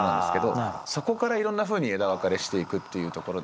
そこからいろんなふうに枝分かれしていくっていうところで。